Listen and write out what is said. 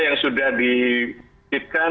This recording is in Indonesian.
yang sudah dikipkan